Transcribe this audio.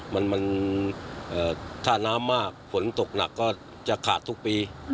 มันถ้าน้ำมากฝนตกหนักก็จะขาดทุกปี